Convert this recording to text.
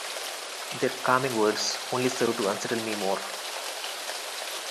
Their calming words only serve to unsettle me more.